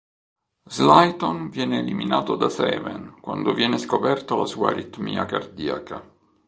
Slayton viene eliminato da Seven quando viene scoperta la sua aritmia cardiaca.